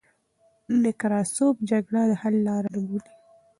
نکراسوف جګړه د حل لار نه بولي.